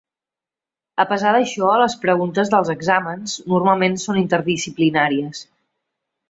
A pesar d'això, les preguntes dels exàmens normalment són interdisciplinàries.